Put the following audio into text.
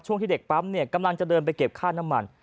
ช่วงที่เด็กปั๊มกำลังจะเดินไปเก็บค่าน้ำมัน